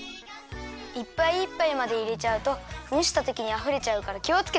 いっぱいいっぱいまでいれちゃうとむしたときにあふれちゃうからきをつけてね。